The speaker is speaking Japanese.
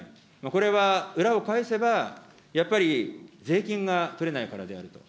これは裏を返せば、やっぱり税金が取れないからであると。